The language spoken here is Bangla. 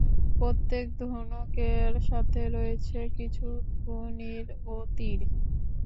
প্রত্যেক ধনুকের সাথে রয়েছে কিছু তুনীর ও তীর।